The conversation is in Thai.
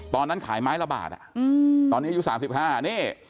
ตอนนั้นขายไม้ละบาทอ่ะอืมตอนนี้อายุสามสิบห้านี่